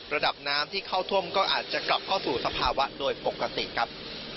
ระดับน้ำที่เข้าท่วมก็อาจจะกลับเข้าสู่สภาวะโดยปกติครับ